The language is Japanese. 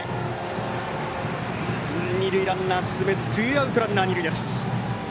二塁ランナー進めずツーアウトランナー、二塁です。